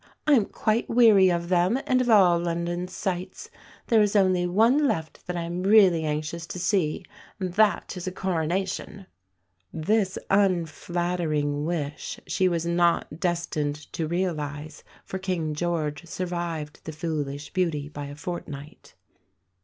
"I am quite weary of them and of all London sights. There is only one left that I am really anxious to see, and that is a coronation!" This unflattering wish she was not destined to realise; for King George survived the foolish beauty by a fortnight.